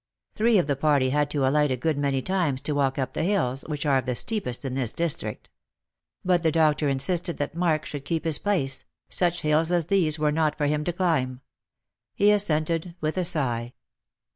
Three of the party had to alight a good many times to walk up the hills, which are of the steepest in this district. But the doctor insisted that Mark should keep his place — such hills as these were not for him to climb. He assented with a sigh.